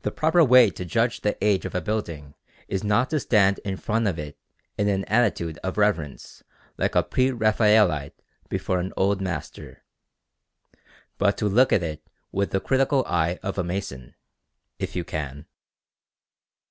The proper way to judge the age of a building is not to stand in front of it in an attitude of reverence like a pre Raphaelite before an Old Master, but to look at it with the critical eye of a mason, if you can.